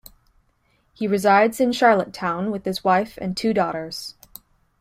He resides in Charlottetown with his wife and two daughters.